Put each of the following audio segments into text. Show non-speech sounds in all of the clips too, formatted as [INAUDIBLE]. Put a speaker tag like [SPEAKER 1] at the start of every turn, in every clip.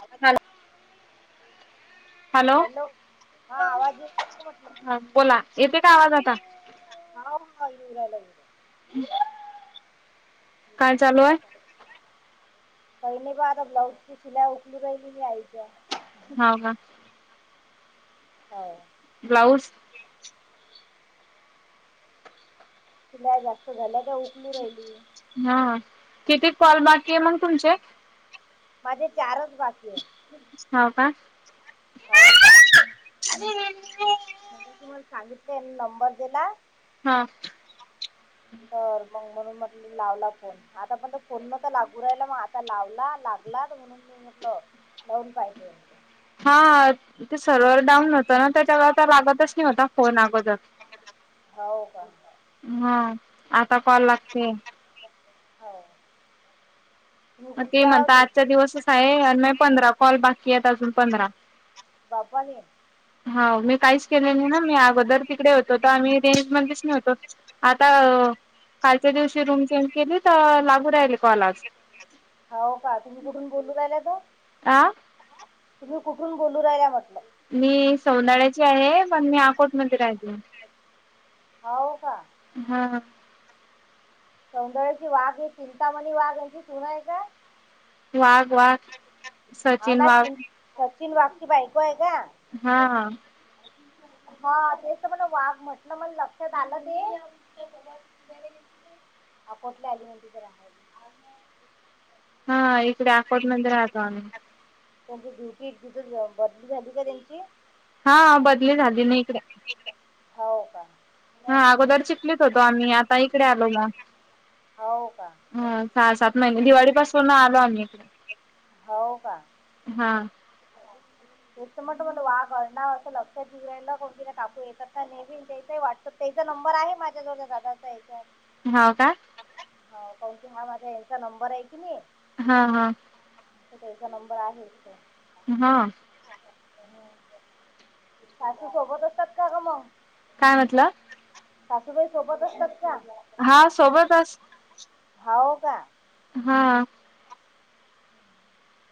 [SPEAKER 1] आजच
[SPEAKER 2] hello [INAUDIBLE]
[SPEAKER 1] [UNINTELLIGIBLE]
[SPEAKER 2] [UNINTELLIGIBLE] hello
[SPEAKER 1] हा आवाज येऊ म्हटलं
[SPEAKER 2] बोला येेते काय आवाज आता
[SPEAKER 1] हा येऊ रायला बघा [UNINTELLIGIBLE]
[SPEAKER 2] हम् [UNINTELLIGIBLE] [UNINTELLIGIBLE]
[SPEAKER 1] [UNINTELLIGIBLE] [UNINTELLIGIBLE] पहि नाही प आता ब्लाऊजची शिला उखलू राहिली ही आईच्या
[SPEAKER 2] हो का [UNINTELLIGIBLE]
[SPEAKER 1] हो [UNINTELLIGIBLE]
[SPEAKER 2] ब्लाऊज [UNINTELLIGIBLE]
[SPEAKER 1] सिलाई जास्त झाल्या का उकलू राहिलीय. [UNINTELLIGIBLE]
[SPEAKER 2] हा किती कॉल बाकी आहे मग तुमचे [UNINTELLIGIBLE]
[SPEAKER 1] माझे चारच बाकी आहे. [UNINTELLIGIBLE]
[SPEAKER 2] हो का
[SPEAKER 1] हो
[SPEAKER 2] [UNINTELLIGIBLE]
[SPEAKER 1] मगाशी तुम्हाला सांगितलं नंबर दिला [UNINTELLIGIBLE]
[SPEAKER 2] हा! [UNINTELLIGIBLE]
[SPEAKER 1] कर मग म्हणून म्हट [UNINTELLIGIBLE] लावला फोन आता पण फोन न तर लागू राहिला मग आता लावला लागलात म्हणून मी म्हटलो लोन पाहिजे म्हटलो [UNINTELLIGIBLE]
[SPEAKER 2] हा ते सर्वर डाऊन होतं ना त्याच्यावर लागतच नव्हता फोन अगोदर [INAUDIBLE]
[SPEAKER 1] हाव का
[SPEAKER 2] हा आता कॉल लागते.
[SPEAKER 1] हो तुम्ही
[SPEAKER 2] म ते
[SPEAKER 1] कुठच्या
[SPEAKER 2] म्हणता
[SPEAKER 1] आहोत
[SPEAKER 2] आजचा दिवसच आहे अनं माये पंधरा कॉल बाकी आहेत अजून पंधरा
[SPEAKER 1] बाप्पारे!
[SPEAKER 2] हाव मी काहीच केले नाय ना मी अगोदर तिकडे होतो तर आम्ही रेंज मध्येच नव्हतो आता कालच्या दिवशी रूम चेंज केली त लागू राहले कॉल आज
[SPEAKER 1] होव का तुम्ही कुठून बोलू राहिल्यात
[SPEAKER 2] आ
[SPEAKER 1] तुम्ही कुठून बोलू रायल्या म्हटलं
[SPEAKER 2] मी सोदाळ्याची आहे पण मी अकोटमध्ये रायते.
[SPEAKER 1] हाव का
[SPEAKER 2] हां
[SPEAKER 1] सौंदळ्याची वाघ ही चिंतामणी वाघ यांची सून आहे का?
[SPEAKER 2] वाग वाग
[SPEAKER 1] हो ना सचिन वाघची बायको आहे का?
[SPEAKER 2] हां हां
[SPEAKER 1] हा तेच त म्हणलं वाघ म्हटलं मण लक्षात आलं ते
[SPEAKER 2] [INAUDIBLE]
[SPEAKER 1] अकोटले आली म्हणते तर राहिला
[SPEAKER 2] हा इकडे अकोटमध्ये राहतो आम्ही
[SPEAKER 1] त्यांची ड्युटी तिथच बदली झाली का त्यांची
[SPEAKER 2] हा बदली झाली नी इकडे
[SPEAKER 1] हो का
[SPEAKER 2] हा अगोदर चिखलीत होतो आम्ही आता इकडे आलो म
[SPEAKER 1] हो का
[SPEAKER 2] हं सहा सात महिने दिवाळीपासून आलो आम्ही इकडे
[SPEAKER 1] हो का
[SPEAKER 2] हा
[SPEAKER 1] तेच त म्हटलं म्हणलं वाघ हाय ना त लक्षात येऊ रायलं कोणं तरी काकू येतात ना नेहमी आमच्या इथं व्हाट्सअप तेजा नंबर आहे माझ्याजवळ त्या दादाच्या हेच्यात
[SPEAKER 2] हा का
[SPEAKER 1] हो कारण की हा माझ्या यांचा नंबर हाय की नय
[SPEAKER 2] हा हा
[SPEAKER 1] त त्यांचा नंबर आहे इथे
[SPEAKER 2] हा
[SPEAKER 1] सासू सोबत असतात का ग मंग
[SPEAKER 2] काय म्हटला
[SPEAKER 1] सासूबाई सोबत असतात का?
[SPEAKER 2] हा सोबतस
[SPEAKER 1] हाव कां
[SPEAKER 2] हा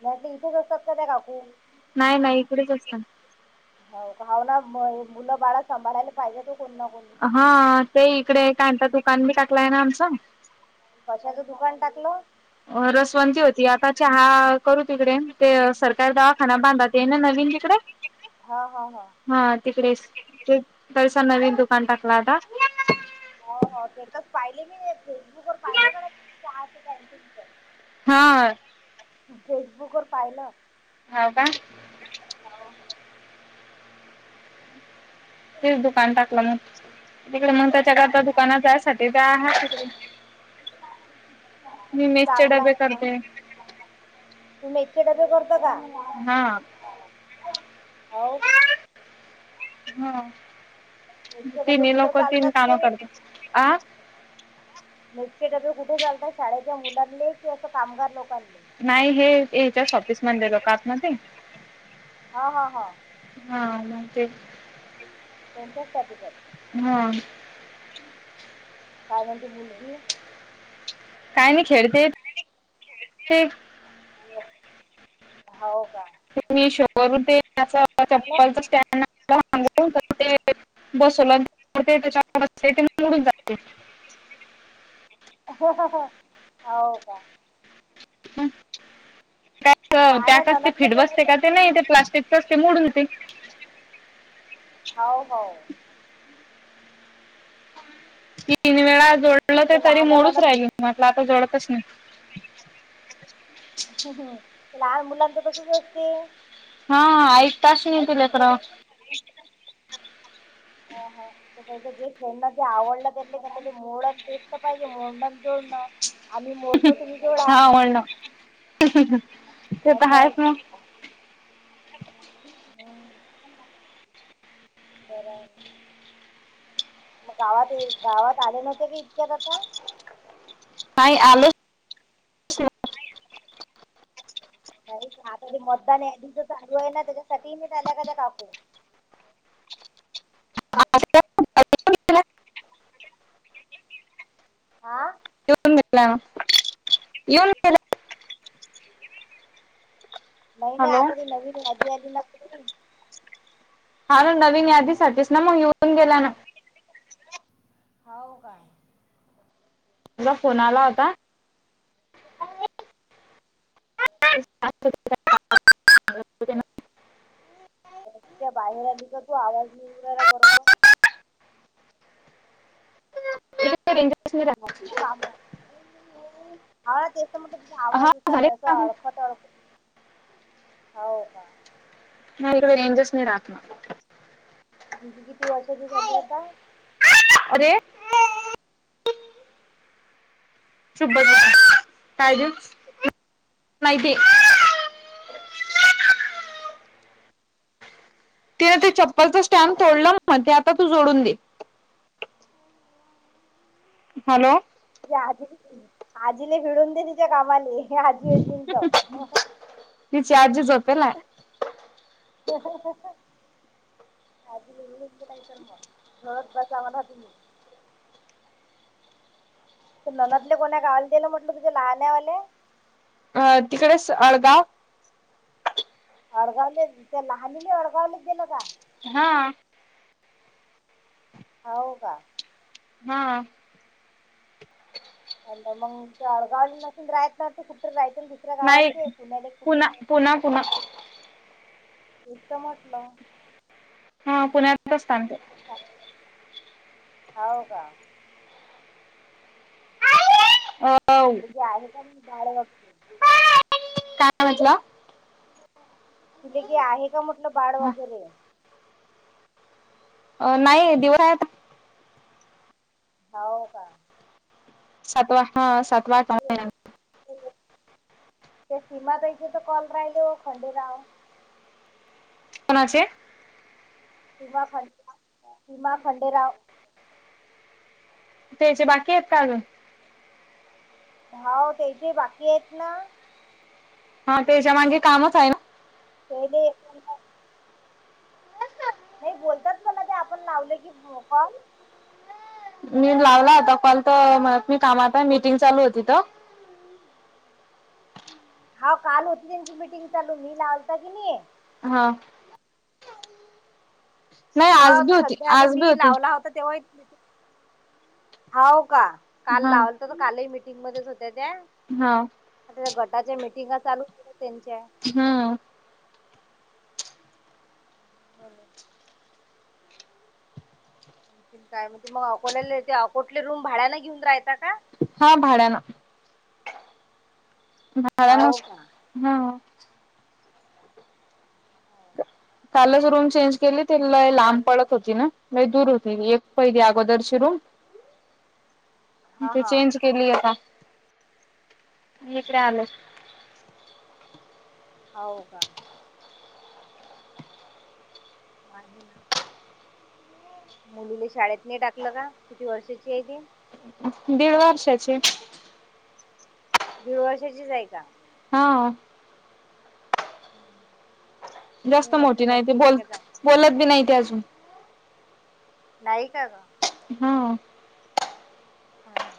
[SPEAKER 1] मला वाटलं इथच असतात का त्या काकू.
[SPEAKER 2] नाय नाय इकडेच असतात.
[SPEAKER 1] हव कां हाव ना मुलं बाळा सांभाळायला पाहिजे त कोणी ना कोणी
[SPEAKER 2] हा ते इकडे एक आंता दुकान बी टाकलाय ना आमच.
[SPEAKER 1] कशाचं दुकान टाकलं?
[SPEAKER 2] रसवंती होती आता चहा करू तिकडे ते सरकारी दवाखाना बांधाते ना नवीन तिकडे. [INAUDIBLE]
[SPEAKER 1] हा हा हा
[SPEAKER 2] हा तिकडेच ते तसा नवीन दुकान टाकला आता.
[SPEAKER 1] हो हो ते स्टेटस पाहिले मी, फेसबुक वर पाहिलं की चहाच कॅन्टीनच.
[SPEAKER 2] हा.
[SPEAKER 1] फेसबुक वर पाहिलं.
[SPEAKER 2] हाव का?
[SPEAKER 1] हो हो.
[SPEAKER 2] तेच दुकान टाकलं मग. तिकडे मग त्याच्याकरता दुकानात जायसाठी ते हाय तिकडे. मी मेसचे डबे करते.
[SPEAKER 1] तु मेसचे डबे करतो का?
[SPEAKER 2] हा.
[SPEAKER 1] हाव का?
[SPEAKER 2] ह
[SPEAKER 1] मेसचे डबे
[SPEAKER 2] तिन्ही
[SPEAKER 1] कुठं
[SPEAKER 2] लोक तीन
[SPEAKER 1] चालतात
[SPEAKER 2] कामं
[SPEAKER 1] ते
[SPEAKER 2] करतात. आ?
[SPEAKER 1] मेसचे डबे कुठं करता, शाळेच्या मुलांले की असं कामगार लोकांले.
[SPEAKER 2] नाही हे हेच्याच ऑफिस मधलं लोकं हात ना ते.
[SPEAKER 1] हा हा हा.
[SPEAKER 2] हा म ते
[SPEAKER 1] त्यांच्याचसाठी करतो.
[SPEAKER 2] हा.
[SPEAKER 1] काय म्हणती मुलगी?
[SPEAKER 2] काय नई, खेळतेय [INAUDIBLE] ती.
[SPEAKER 1] हाव का?
[SPEAKER 2] [UNINTELLIGIBLE]
[SPEAKER 1] पाहिलं
[SPEAKER 2] चप्पलच स्टँड [UNINTELLIGIBLE]
[SPEAKER 1] हाव का?
[SPEAKER 2] पॅक अं
[SPEAKER 1] लहान्या
[SPEAKER 2] पॅक असतय
[SPEAKER 1] नणदले
[SPEAKER 2] फिट बसते
[SPEAKER 1] कोणाचे
[SPEAKER 2] का ते नाही ते प्लास्टि च असते मोडून ती.
[SPEAKER 1] हाव हाव.
[SPEAKER 2] तीन वेळा जोडलं ते
[SPEAKER 1] जे
[SPEAKER 2] तरी
[SPEAKER 1] लहान्या
[SPEAKER 2] मोडूच
[SPEAKER 1] नणद
[SPEAKER 2] राहिल. म्हटल आता जोडतच नई.
[SPEAKER 1] [INAUDIBLE] लहान मुलांच तसच असते.
[SPEAKER 2] हा एक [UNINTELLIGIBLE]
[SPEAKER 1] ऐकतात
[SPEAKER 2] दिल्यात
[SPEAKER 1] का
[SPEAKER 2] राव.
[SPEAKER 1] ते हा हा. तर त्याच्या जे फ्रेडना जे आवडलं त्यातले त्याच्या मोडत पाहिजे. मोडन अन् जोडणं. आम्ही मोडतो, तुम्ही जोडा.
[SPEAKER 2] हा म्हणलं [INAUDIBLE] ते तर
[SPEAKER 1] असं आहे
[SPEAKER 2] आहेच
[SPEAKER 1] ते
[SPEAKER 2] ना.
[SPEAKER 1] [UNINTELLIGIBLE] हम्म. बरं हाय. मग गावात हे, गावात आले नव्हते की इतक्यात आता?
[SPEAKER 2] नाय आलो
[SPEAKER 1] नाही आता ते मतदान यादीच चालू आहे ना, त्याच्यासाठी मी ल्या का त्या काकू.
[SPEAKER 2] आ [UNINTELLIGIBLE]
[SPEAKER 1] आं?
[SPEAKER 2] ठिऊन घेतलाय म. यून
[SPEAKER 1] नाही नाही
[SPEAKER 2] हॅलो
[SPEAKER 1] आता ती नवीन यादी आली ना ती
[SPEAKER 2] हा ना नवीन यादीसाठीच ना मग यिऊन गेला ना
[SPEAKER 1] होव का?
[SPEAKER 2] तुझा फोन आला होता. [UNINTELLIGIBLE] आताच [UNINTELLIGIBLE]
[SPEAKER 1] [UNINTELLIGIBLE] बाहेर आली का तू आवाज नई यून राहिला बरोबर.
[SPEAKER 2] [UNINTELLIGIBLE] [UNINTELLIGIBLE] रेंज असल्यावर [UNINTELLIGIBLE]
[SPEAKER 1] [UNINTELLIGIBLE] काम हा तेच तर म्हणलं
[SPEAKER 2] हा
[SPEAKER 1] आवाज असां
[SPEAKER 2] झाले
[SPEAKER 1] असां
[SPEAKER 2] काम
[SPEAKER 1] अडखत अडखत. हो का?
[SPEAKER 2] हा इथे रेंज च नाही राहतं.
[SPEAKER 1] किती किती वर्षाची झाली आता?
[SPEAKER 2] अरे. चूप बस [INAUDIBLE] [UNINTELLIGIBLE] नाही ती तिनं ते चप्पलचं स्टँड तोडलं म ते आता तू जोडून दे. हॅलो.
[SPEAKER 1] [UNINTELLIGIBLE] आजीला भिडून दे तिच्या कामानी हे आजी आजी तर
[SPEAKER 2] तिची आजी झोपेल ना.
[SPEAKER 1] [INAUDIBLE] आजी [UNINTELLIGIBLE] नाही तर म [UNINTELLIGIBLE] बसा म्हणा तुम्ही? [UNINTELLIGIBLE] कोणा गायला दिलं म्हटलं [UNINTELLIGIBLE] तुझ्या लहान [UNINTELLIGIBLE]
[SPEAKER 2] अ तिकडे स अडगाव
[SPEAKER 1] अडगावले ते लहानले अडगावत दिलं का?
[SPEAKER 2] हा.
[SPEAKER 1] हो का?
[SPEAKER 2] हा.
[SPEAKER 1] [UNINTELLIGIBLE] आडगाव [UNINTELLIGIBLE] तर कुठ [UNINTELLIGIBLE] [UNINTELLIGIBLE] गावाल
[SPEAKER 2] नाही
[SPEAKER 1] [UNINTELLIGIBLE]
[SPEAKER 2] पुना पुना पुना
[SPEAKER 1] तेच म्हटलं.
[SPEAKER 2] हा पुण्यातच थांबते.
[SPEAKER 1] [UNINTELLIGIBLE] होव का?
[SPEAKER 2] ह.
[SPEAKER 1] तिची आई पण का मी बाळ बगती.
[SPEAKER 2] काय म्हटला?
[SPEAKER 1] तिले की आहे का म्हटलं बाळ वगैरे
[SPEAKER 2] अ नाय दिवाळी
[SPEAKER 1] हाव का?
[SPEAKER 2] सातवा हां सातवा क.
[SPEAKER 1] ते सीमा तयचे तर कॉल राहिले हो खंडेराव.
[SPEAKER 2] कोणाचे?
[SPEAKER 1] सीमा खंडेराव सीमा खंडेराव.
[SPEAKER 2] त्याचे बाकी आहेत का? अजून
[SPEAKER 1] हो तेचे बाकी आहेत ना.
[SPEAKER 2] हा त्याच्या मागे कामच आहे ना.
[SPEAKER 1] तेले नाही बोलतात मला ते आपण लावले की कॉल
[SPEAKER 2] मी लावला होता कॉल तर मी कामात मीटिंग चालू
[SPEAKER 1] बोलतात
[SPEAKER 2] होती.
[SPEAKER 1] हां काल होती त्यांची मीटिंग चालू मी लावलता की नाही.
[SPEAKER 2] हां. नाही आज
[SPEAKER 1] हां
[SPEAKER 2] बी होती
[SPEAKER 1] सध्या आता
[SPEAKER 2] आज बी
[SPEAKER 1] मी
[SPEAKER 2] होती
[SPEAKER 1] लावला होता तेव्हा हाव का? काल
[SPEAKER 2] हा
[SPEAKER 1] लावल तर तर कालही मिीटिंगमध्येध्येच होत्या त्या
[SPEAKER 2] हां.
[SPEAKER 1] आता गटाच्या मीटिंगा चालू झाल्या त्यांच्या
[SPEAKER 2] हम्.
[SPEAKER 1] हो. काय म्हण मग अकोल्या ते अकोटले रूम भाड्यानं घेऊन राह्यचा का?
[SPEAKER 2] हां भाड्यान. भाड्यान
[SPEAKER 1] हाव का
[SPEAKER 2] हम्.
[SPEAKER 1] हो
[SPEAKER 2] कालच रूम चेंज केली ते लय लांब पड त होती न लय दूर होती एक पहिली अगोदर ची रूम
[SPEAKER 1] हा
[SPEAKER 2] ती
[SPEAKER 1] हा
[SPEAKER 2] चेंज केली आता का इकडे आले
[SPEAKER 1] हाव का? मा आहे ना मुलीला शाळेत नाही टाकलं का. किती वर्षाची आहे ती?
[SPEAKER 2] दीड वर्षाचे
[SPEAKER 1] दीड वर्षाचीच आहे का?
[SPEAKER 2] हां जास्त
[SPEAKER 1] मी म्हटलं
[SPEAKER 2] मोठी नाही ते
[SPEAKER 1] आहे
[SPEAKER 2] बोल
[SPEAKER 1] का काय
[SPEAKER 2] बोलत बी नाही ते अजून
[SPEAKER 1] नाही का का?
[SPEAKER 2] हम्म
[SPEAKER 1] हां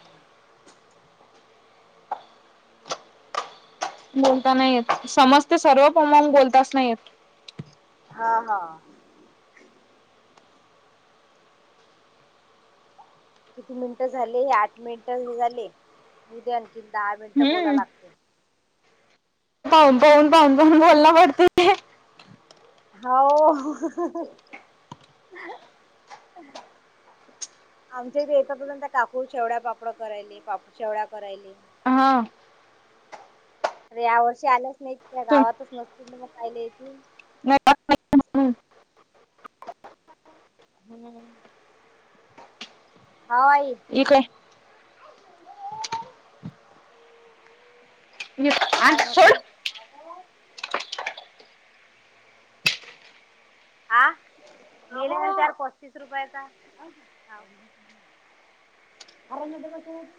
[SPEAKER 2] बोलता नाही येत समज ते सर्व पम बोलताच नाही येत
[SPEAKER 1] हां हां किती मिनिटं झाले आठ मिनिटं हे झाले उद्या आणखी दहा मिनिटं बोला
[SPEAKER 2] हम्म
[SPEAKER 1] लागते.
[SPEAKER 2] पाहून पाहून पाहून पाहून बोलला वाडत ते
[SPEAKER 1] हाव.. आमच्या इथे येत पर्यंत त्या काकू शेवड्या पापड करायले पाप शेवड्या करायले
[SPEAKER 2] हम
[SPEAKER 1] अरे या वर्षी आल्याच नाही त्या
[SPEAKER 2] सोड
[SPEAKER 1] गावातच नसतील ना मग कायला येतील?
[SPEAKER 2] नाही जात नाही म्हणून.
[SPEAKER 1] हा हो आई
[SPEAKER 2] इ काय आ
[SPEAKER 1] काय म्हटलं
[SPEAKER 2] सोड
[SPEAKER 1] हा ले ना चार पस्तीस रुपयाचा [UNINTELLIGIBLE]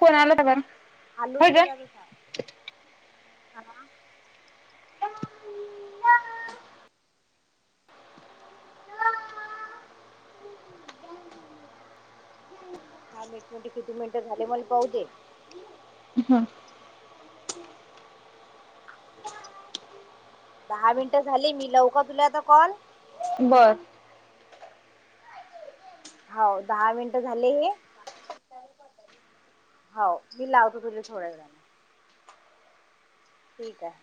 [SPEAKER 2] फोन आला होता का ग व्हय
[SPEAKER 1] हालून
[SPEAKER 2] ग
[SPEAKER 1] हां थांब एक मिनिटं किती मिनिटं झाले मला पाहू दे
[SPEAKER 2] हम्म
[SPEAKER 1] दहा मिनटं झाली मी लाऊ का तुला आता कॉल
[SPEAKER 2] बर
[SPEAKER 1] हाव दहा मिनट झाले हे हाव मी लावतो तुले थोड्या वेळानी ठीक हाय